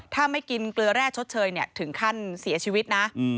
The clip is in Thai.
ถ้าไม่กินเกลือแร่ชดเชยถึงขั้นเสียชีวิตนะ